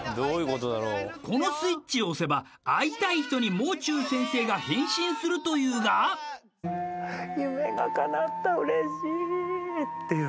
このスイッチを押せば会いたい人にもう中先生が変身するというが夢がかなった嬉しいっていう